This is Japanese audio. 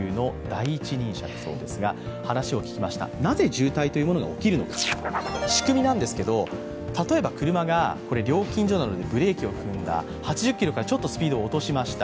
渋滞がなぜ起きるのか仕組みなんですけど例えば車が料金所などでブレーキを踏んだ、８０キロからちょっとスピードを落としました。